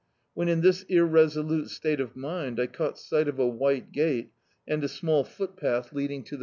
When in this irresolute state of mind, I cau^t si^t of a white gate, and a small footpath leading to the D,i.